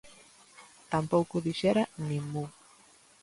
Tampouco dixera nin mu.